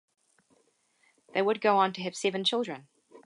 They would go on to have seven children.